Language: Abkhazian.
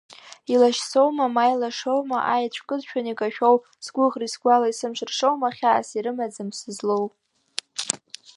Илашьцоума, ма илашоума, аеҵә кыдшәан икашәоу, сгәыӷреи сгәалеи сымш ршома, хьаас ирымаӡам сызлоу.